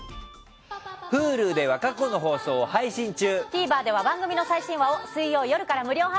Ｈｕｌｕでは過去の放送を配信中。